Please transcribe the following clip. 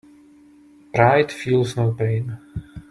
Pride feels no pain.